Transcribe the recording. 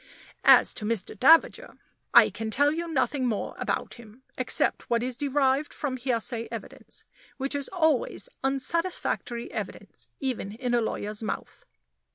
As to Mr. Davager, I can tell you nothing more about him, except what is derived from hearsay evidence, which is always unsatisfactory evidence, even in a lawyer's mouth.